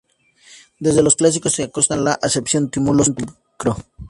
Desde los clásicos se constata la acepción "túmulo, sepulcro".